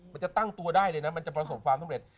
มันจะตั้งตัวได้เลยนะมันจะประสบความสำเร็จ